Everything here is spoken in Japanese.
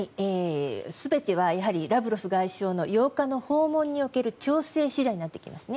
全てはラブロフ外相の８日の訪問における調整次第だと言っています。